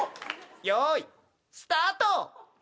よいスタート。